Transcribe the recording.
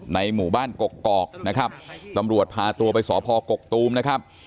ในหมู่บ้านกกอกนะครับตำรวจพาตัวไปสพกกตูมนะครับ